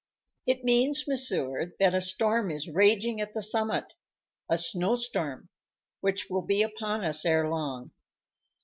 It means, monsieur, that a storm is raging at the summit a snow storm which will be upon us ere long.